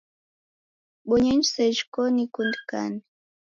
Bonyenyi sejhi koni ikundikane.